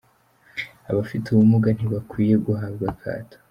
Abafite ubumuga ntibakwiye guhabwa akato